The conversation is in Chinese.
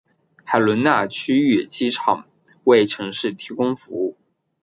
海伦娜区域机场为城市提供服务。